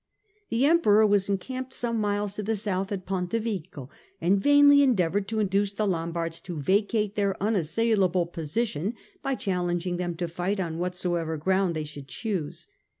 The Emperor was encamped some miles to the south at Pontevico, and vainly endeavoured to induce the Lombards to vacate their unassailable position by challenging them to fight on whatsoever ground they should choose.